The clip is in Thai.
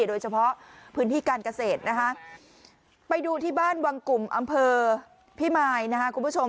โดยเฉพาะพื้นที่การเกษตรนะคะไปดูที่บ้านวังกลุ่มอำเภอพิมายนะคะคุณผู้ชม